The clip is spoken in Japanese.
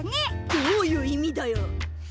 どういういみだよ！